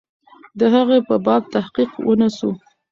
د هغې په باب تحقیق ونسو.